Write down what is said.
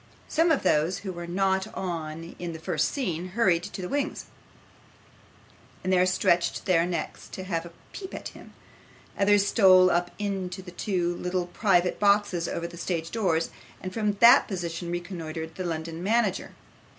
Some of those who were not on in the first scene, hurried to the wings, and there stretched their necks to have a peep at him; others stole up into the two little private boxes over the stage doors, and from that position reconnoitred the London manager.